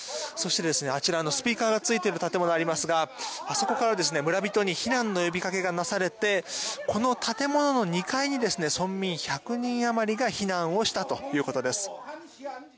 そして、あちらスピーカーがついている建物がありますがあそこから、村人に避難の呼びかけがなされてこの建物の２階に村民１００人余りが避難したということです。